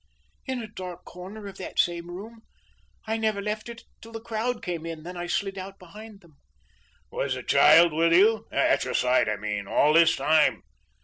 "In a dark corner of that same room. I never left it till the crowd came in. Then I slid out behind them." "Was the child with you at your side I mean, all this time?"